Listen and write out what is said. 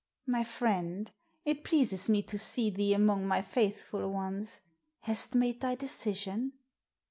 "My friend, it pleases me to see thee among my faithful ones. Hast made thy decision?"